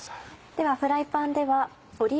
ではフライパンでは。